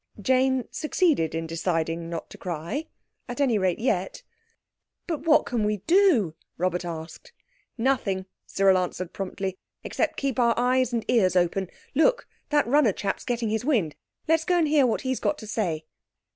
Jane succeeded in deciding not to cry—at any rate yet. "But what can we do?" Robert asked. "Nothing," Cyril answered promptly, "except keep our eyes and ears open. Look! That runner chap's getting his wind. Let's go and hear what he's got to say."